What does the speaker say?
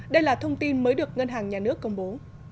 đây là thông tin mới được ngân hàng nhà nước công bố